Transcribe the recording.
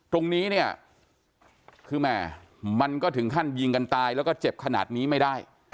ตรงนี้เนี่ยคือแหม่มันก็ถึงขั้นยิงกันตายแล้วก็เจ็บขนาดนี้ไม่ได้